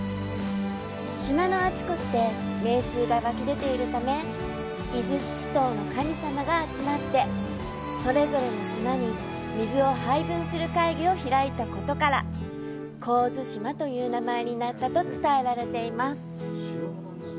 島のあちこちで名水が湧き出ているため伊豆七島の神様が集まってそれぞれの島に水を配分する会議を開いたことから神津島という名前になったと伝えられています。